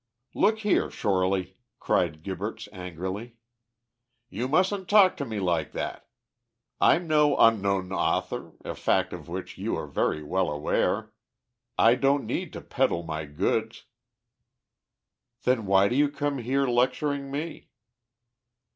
"Look here, Shorely," cried Gibberts, angrily, "you mustn't talk to me like that. I'm no unknown author, a fact of which you are very well aware. I don't need to peddle my goods." "Then why do you come here lecturing me?"